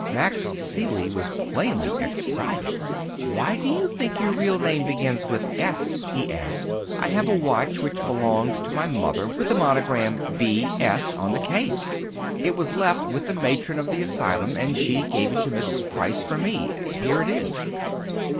Max Seeley was plainly excited. "Why do you think your real name begins with S?" he asked. "I have a watch which belonged to my mother, with the monogram 'B.S.' on the case. It was left with the matron of the asylum and she gave it to Mrs. Price for me. Here it is."